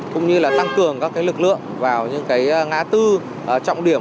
cũng như là tăng cường các lực lượng vào những ngã tư trọng điểm